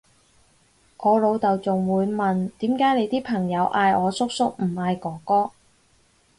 我老豆仲會問點解你啲朋友嗌我叔叔唔嗌哥哥？